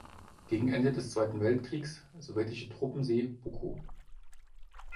Gegen Ende des Zweiten Weltkriegs sowjetische Truppen See Buckow.